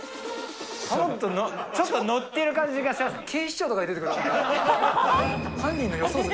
ちょっと乗ってる感じがします。